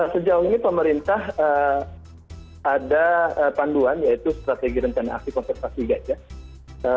sejauh ini pemerintah ada panduan yaitu strategi rencana aksi konservasi gajah